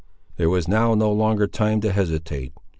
There was now no longer time to hesitate.